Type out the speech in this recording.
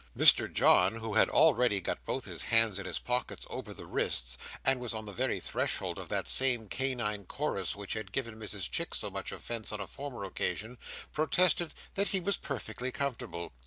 Mr John, who had already got both his hands in his pockets over the wrists, and was on the very threshold of that same canine chorus which had given Mrs Chick so much offence on a former occasion, protested that he was perfectly comfortable.